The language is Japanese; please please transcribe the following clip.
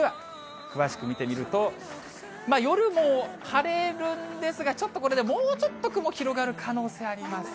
詳しく見てみると、夜も晴れるんですが、ちょっとこれね、もうちょっと雲広がる可能性あります。